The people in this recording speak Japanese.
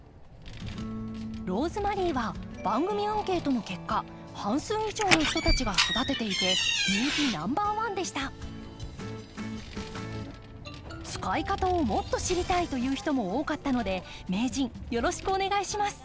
ローズマリーは番組アンケートの結果半数以上の人たちが育てていて使い方をもっと知りたいという人も多かったので名人よろしくお願いします。